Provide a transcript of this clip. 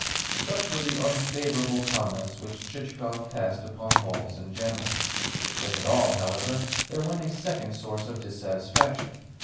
Such were the unfavourable comments which Chichikov passed upon balls in general. With it all, however, there went a second source of dissatisfaction.